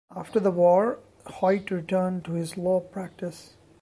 After the war, Hoyt returned to his law practice.